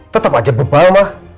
tetap aja bebal ma